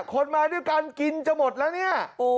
คนมาด้วยกันกินจะหมดแล้วเนี่ย